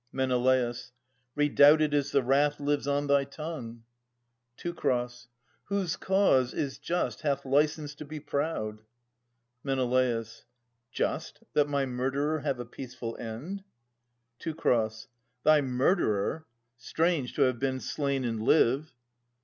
Men. Redoubted is the wrath Mves on thy tongue. Teu. Whose cause is just hath licence to be proud. Men. Just, that my murderer have a peaceful end? Teu. Thy murderer ? Strange, to have been slain and live